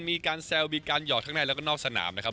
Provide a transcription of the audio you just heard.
มีการแซวมีการหยอกข้างในแล้วก็นอกสนามนะครับ